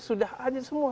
sudah ada semua